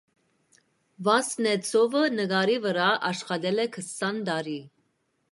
Վասնեցովը նկարի վրա աշխատել է քսան տարի։